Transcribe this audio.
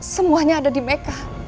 semuanya ada di meka